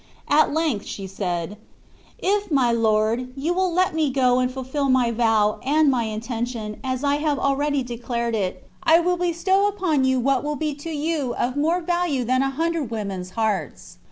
At length she said, "If, my lord, you will let me go and fulfil my vow, and my intention, as I have already declared it, I will bestow upon you what will be to you of more value than a hundred women's hearts.